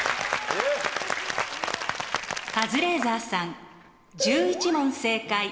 カズレーザーさん１１問正解。